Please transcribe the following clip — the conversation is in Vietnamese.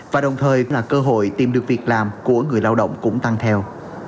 và đồng thời là cơ hội tìm được việc làm của người lao động cũng tăng theo